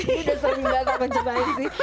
aku udah sering banget gak mencoba ini sih